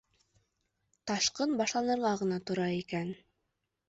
Ташҡын башланырға ғына тора икән.